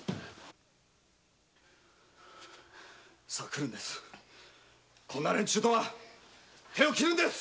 さぁ来るんです。